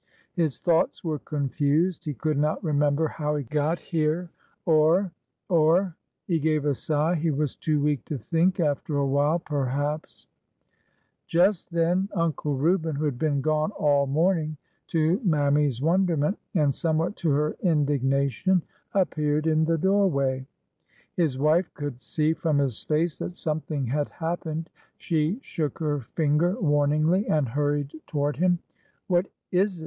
His thoughts were confused. He could not re member how he got here, or— or— he gave a sigh— he was too weak to think— after a while— perhaps— DARK SKINNED WHITE LADY" 299 Just then Uncle Reuben, who had been gone all morn ing to Mammy's wonderment and somewhat to her in dignation, appeared in the doorway. His wife could see from his face that something had happened. She shook her finger warningly and hurried toward him. What is it